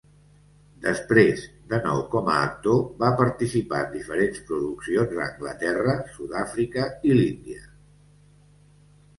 Després, de nou com a actor, va participar en diferents produccions a Anglaterra, Sud-àfrica, l'Índia.